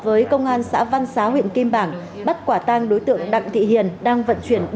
với công an xã văn xá huyện kim bảng bắt quả tang đối tượng đặng thị hiền đang vận chuyển